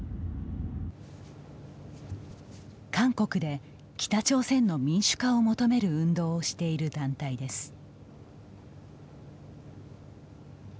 韓国で北朝鮮の民主化を求める運動をしている団体です。